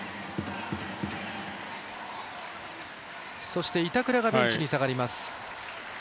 そして、板倉がベンチに下がります。